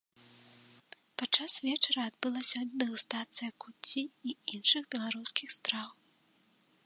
Падчас вечара адбылася дэгустацыя куцці і іншых беларускіх страў.